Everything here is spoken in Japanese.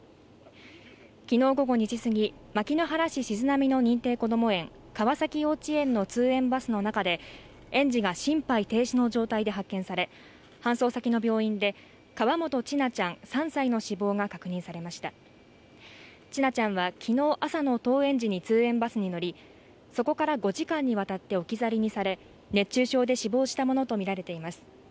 昨日午後２時過ぎ牧之原市静波の認定こども園川崎幼稚園の通園バスの中で園児が心肺停止の状態で発見され搬送先の病院で河本千奈ちゃん３歳の死亡が確認されました千奈ちゃんは昨日朝の登園時に通園バスに乗りそこから５時間にわたって置き去りにされ熱中症で死亡したものと見られています